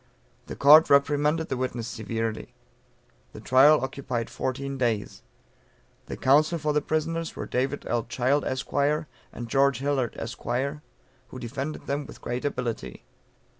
The Court reprimanded the witness severely. The trial occupied fourteen days. The counsel for the prisoners were David L. Child, Esq., and George Hillard, Esq., who defended them with great ability.